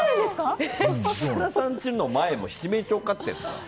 設楽さんの家の前も七面鳥を飼ってるんですか？